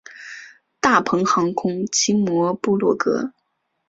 大鹏航空奇摩部落格